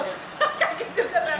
kaget juga ternyata